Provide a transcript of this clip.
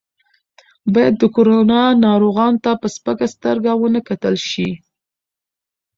باید د کرونا ناروغانو ته په سپکه سترګه ونه کتل شي.